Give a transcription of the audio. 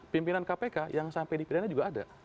pimpinan kpk yang sampai dipindahinnya juga ada